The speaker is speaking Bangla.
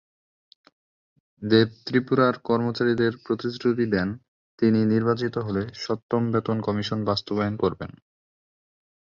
দেব ত্রিপুরার কর্মচারীদের প্রতিশ্রুতি দেন, তিনি নির্বাচিত হলে সপ্তম বেতন কমিশন বাস্তবায়ন করবেন।